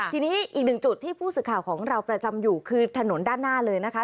ทีนี้อีกหนึ่งจุดที่ผู้สื่อข่าวของเราประจำอยู่คือถนนด้านหน้าเลยนะคะ